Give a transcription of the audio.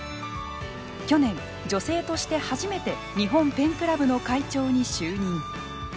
去年、女性として初めて日本ペンクラブの会長に就任。